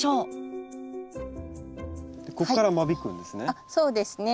ここから間引くんですね。